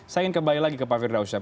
saya ingin kembali lagi ke pak firdausyam